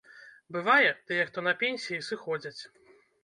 Бывае, тыя, хто на пенсіі, сыходзяць.